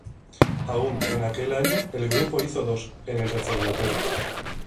Aún en aquel año, el grupo hizo dos, en el reformatorio.